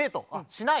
しない。